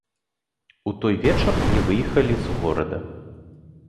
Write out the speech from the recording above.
У той вечар не выехалі з горада.